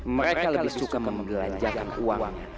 mereka lebih suka membelanjakan uang